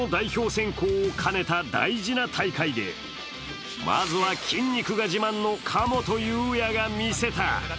選考を兼ねた大事な大会でまずは筋肉が自慢の神本雄也が見せた。